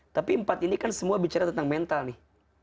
tapi empat ini kan semua bicara tentang mental nih